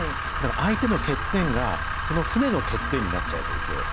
相手の欠点がその船の欠点になっちゃうわけですよ。